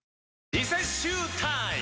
リセッシュータイム！